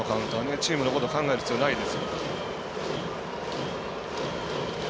チームのことを考える必要ないです。